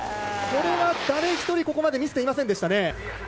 これは誰一人、ここまで見せていませんでしたね。